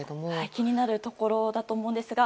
気になるところだと思うんですが。